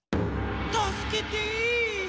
たすけて！